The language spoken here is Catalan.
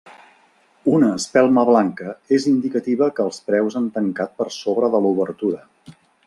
Una espelma blanca és indicativa que els preus han tancat per sobre de l'obertura.